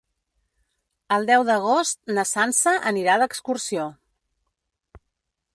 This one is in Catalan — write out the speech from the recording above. El deu d'agost na Sança anirà d'excursió.